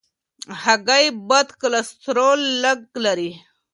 هګۍ بد کلسترول لږ لري.